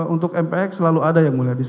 untuk mpx selalu ada yang mulia